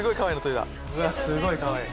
うわすごいかわいい。